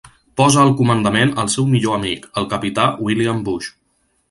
Posa al comandament el seu millor amic, el capità William Bush.